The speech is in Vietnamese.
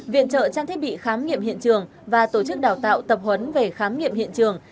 viện trợ trang thiết bị khám nghiệm hiện trường và tổ chức đào tạo tập huấn về khám nghiệm hiện trường